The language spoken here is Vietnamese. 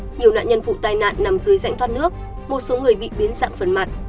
nhiều nạn nhân vụ tai nạn nằm dưới dạng thoát nước một số người bị biến dạng phần mặt